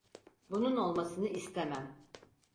Bunun olmasını istemem.